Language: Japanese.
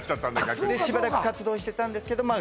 逆にでしばらく活動してたんですけどま